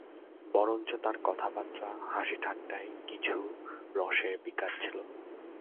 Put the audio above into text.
বরঞ্চ তাঁর কথাবার্তা-হাসিঠাট্টায় কিছু রসের বিকার ছিল।